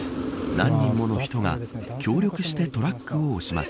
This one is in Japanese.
何もの人が協力してトラックを押します。